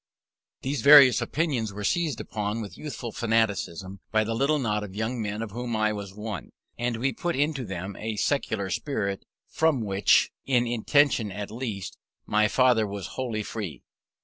These various opinions were seized on with youthful fanaticism by the little knot of young men of whom I was one: and we put into them a sectarian spirit, from which, in intention at least, my father was wholly free.